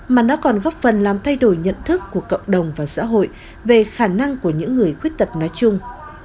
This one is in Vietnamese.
mà nó còn góp phần làm thay đổi nhận thức của cộng đồng và xã hội về khả năng của những người khuyết tật nói chung